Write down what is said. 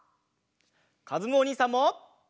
かずむおにいさんも！